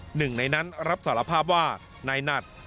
หนึ่งในนั้นรับสารภาพว่านายหนัด